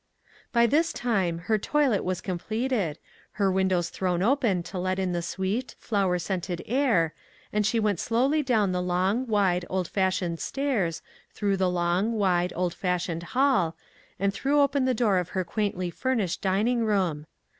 22 ONE COMMONPLACE DAY. By this time her toilet was completed, her windows thrown open to let in the sweet, flower scented air, and she went slowly down the long, wide, old fashioned stairs, through the long, wide, old fashioned hall, and threw open the door of her quaintly furnished din ing room.